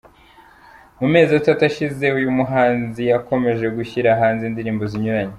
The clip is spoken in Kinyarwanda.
Mu mezi atatu ashize uyu muhanzi yakomeje gushyira hanze indirimbo zinyuranye.